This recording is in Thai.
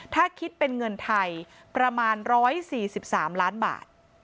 ถ้าคิดเป็นเงินไทยประมาณ๑๔๓ล้านบาท